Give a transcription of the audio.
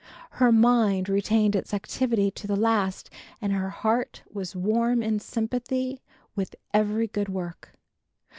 Her mind retained its activity to the last and her heart was warm in sympathy with every good work.